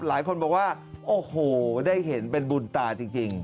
หลายคนบอกว่าโอ้โหได้เห็นเป็นบุญตาจริง